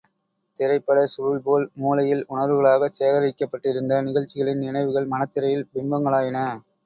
திரைப்படச் சுருள்போல், மூளையில் உணர்வுகளாகச் சேகரிக்கப்பட்டிருந்த நிகழ்ச்சிகளின் நினைவுகள் மனத்திரையில் பிம்பங்களாயின.